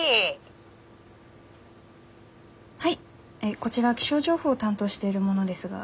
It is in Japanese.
こちら気象情報を担当している者ですが。